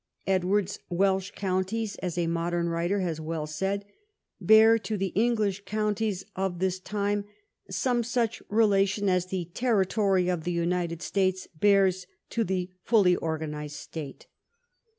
Edward's Welsh counties, as a modern writer has well said, bear to the English counties of this time some such relation as the Territory of the United States bears to the fully organised State.